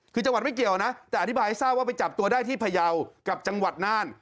คือจังหวัดไม่เกี่ยวนะแต่อธิบายให้ทราบว่าไปจับตัวได้ที่พยาวกับจังหวัดน่าน